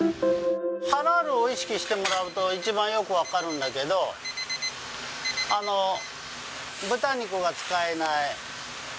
ハラルを意識してもらうと一番よくわかるんだけど豚肉が使えない。